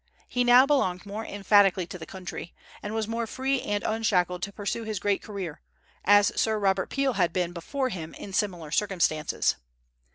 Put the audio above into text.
He now belonged more emphatically to the country, and was more free and unshackled to pursue his great career, as Sir Robert Peel had been before him in similar circumstances.